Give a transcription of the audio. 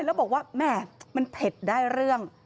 แล้วบอกว่าแม่มันเผ็ดได้เรื่อง